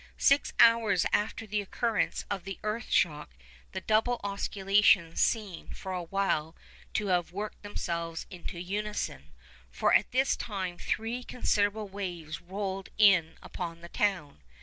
Six hours after the occurrence of the earth shock, the double oscillations seem for a while to have worked themselves into unison, for at this time three considerable waves rolled in upon the town.